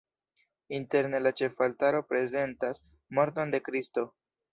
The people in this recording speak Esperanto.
Interne la ĉefaltaro prezentas morton de Kristo.